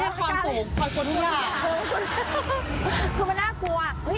อยากเป็นแฟนดารา